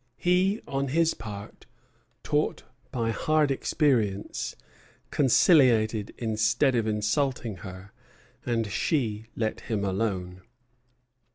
He, on his part, taught by hard experience, conciliated instead of insulting her, and she let him alone.